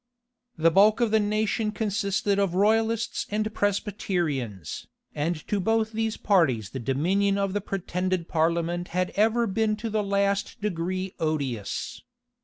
The bulk of the nation consisted of royalists and Presbyterians; and to both these parties the dominion of the pretended parliament had ever been to the last degree odious.